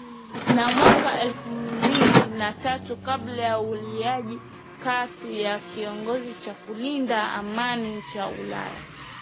na mwaka elfu mbili na tatu kabla ya uingiliaji kati wa kikosi cha kulinda amani cha ulaya